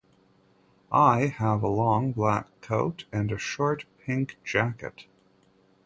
I have a long black coat and a short pink jacket.